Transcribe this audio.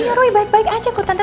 iya roy baik baik aja kok tante